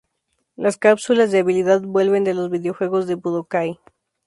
Las cápsulas de habilidad vuelven de los videojuegos de "Budokai".